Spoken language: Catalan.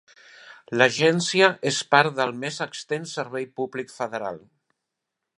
L'agència és part del més extens servei públic federal.